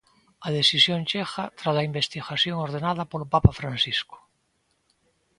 A decisión chega tras a investigación ordenada polo papa Francisco.